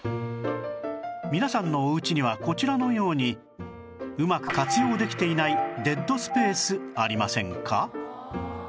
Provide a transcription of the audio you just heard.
皆さんのおうちにはこちらのようにうまく活用できていないデッドスペースありませんか？